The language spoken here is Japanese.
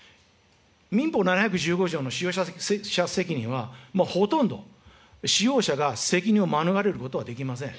民法７１５条の使用者責任は、もうほとんど使用者が責任を免れることはできません。